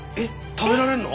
食べられるの？